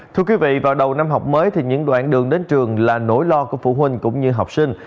thưa quý vị vào đầu năm học mới thì những đoạn đường đến trường là nỗi lo của phụ huynh cũng như học sinh